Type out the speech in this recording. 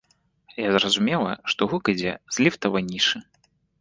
Я зразумела, што гук ідзе з ліфтавай нішы.